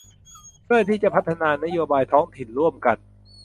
เพื่อที่จะพัฒนานโยบายท้องถิ่นร่วมกัน